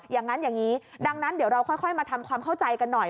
อย่างนั้นอย่างนี้ดังนั้นเดี๋ยวเราค่อยมาทำความเข้าใจกันหน่อย